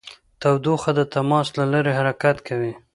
تودوخه د تماس له لارې حرکت کوي.